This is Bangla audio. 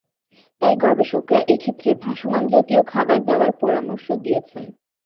তাই গবেষকরা এক্ষেত্রে ভাসমান জাতীয় খাবার দেয়ার পরামর্শ দিয়েছেন।